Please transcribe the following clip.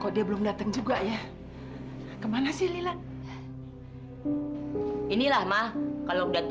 kok dia belum datang juga ya kemana sih lila inilah mah kalau